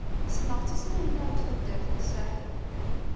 Ssneɣ-tt asmi ay lliɣ deg taddart n Saḥel.